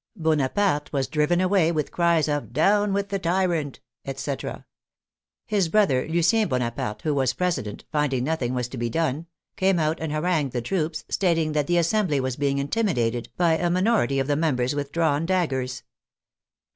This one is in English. Bonaparte was driven away with cries of " Down with the tyrant !" etc. His brother, Lu cien Bonaparte, who was president, finding nothing was to be done, came out and harangued the troops, stating that the Assembly was being intimidated by a minority of the members with drawn daggers.